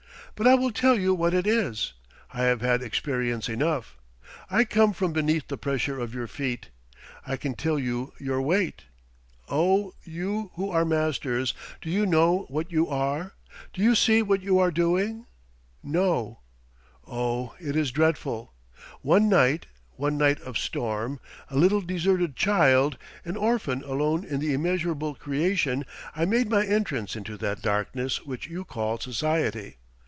But I will tell you what it is. I have had experience enough. I come from beneath the pressure of your feet. I can tell you your weight. Oh, you who are masters, do you know what you are? do you see what you are doing? No. Oh, it is dreadful! One night, one night of storm, a little deserted child, an orphan alone in the immeasurable creation, I made my entrance into that darkness which you call society.